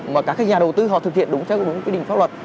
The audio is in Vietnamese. mà các nhà đầu tư họ thực hiện đúng theo đúng quy định pháp luật